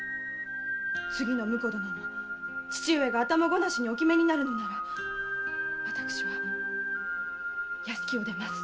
次の婿殿も父上が頭ごなしにお決めになるのなら私は屋敷を出ます。